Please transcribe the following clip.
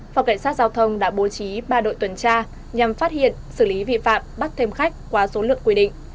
phòng cảnh sát giao thông đã bố trí ba đội tuần tra nhằm phát hiện xử lý vi phạm bắt thêm khách qua số lượng quy định